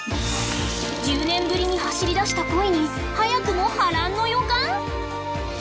１０年ぶりに走りだした恋に早くも波乱の予感！？